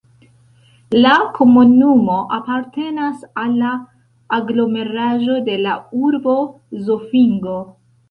La komunumo apartenas al la aglomeraĵo de la urbo Zofingo.